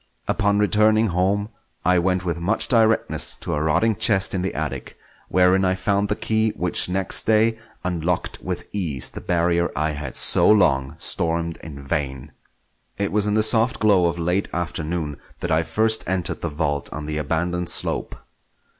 Upon returning home I went with much directness to a rotting chest in the attic, wherein I found the key which next day unlocked with ease the barrier I had so long stormed in vain. It was in the soft glow of late afternoon that I first entered the vault on the abandoned slope.